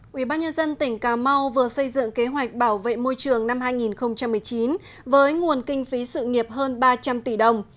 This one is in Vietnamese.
quỹ bác nhân dân tỉnh cà mau vừa xây dựng kế hoạch bảo vệ môi trường năm hai nghìn một mươi chín với nguồn kinh phí sự nghiệp hơn ba trăm linh tỷ đồng